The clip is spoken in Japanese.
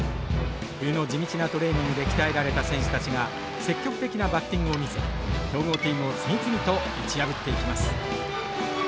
冬の地道なトレーニングで鍛えられた選手たちが積極的なバッティングを見せ強豪チームを次々と打ち破っていきます。